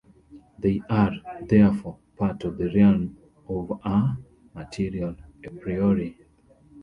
They are, therefore, part of the realm of a material "a priori".